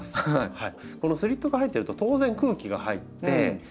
はい。